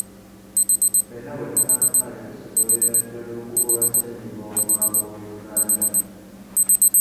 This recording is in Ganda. Ffenna bwe tunaafaayo, tusobolerera ddala okugoba ssennyiga omukambwe mu Uganda.